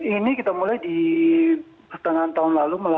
ini kita mulai di pertengahan tahun lalu